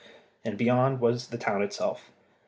And beyond was the town itself.